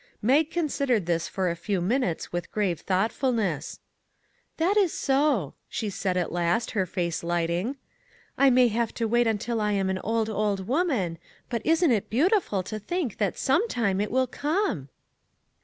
Mag considered this for a few minutes with grave thoughtfulness. " That is so," she said at last, her face lighting. " I may have to wait until I am an old, old woman; but isn't it beautiful to think that some time it will come